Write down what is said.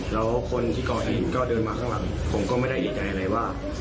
แล้วคนที่ก่อเหตุก็เดินมาข้างหลังผมก็ไม่ได้เอกใจอะไรว่า